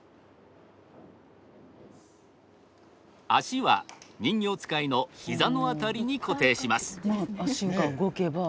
足は人形遣いの膝の辺りに固定します。